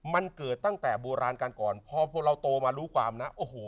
มันเกิดตั้งแต่โบราณกันก่อนพอเราโตมารู้ความนะโอ้โห